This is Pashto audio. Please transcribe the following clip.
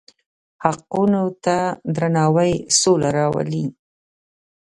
حقونو ته درناوی سوله راولي.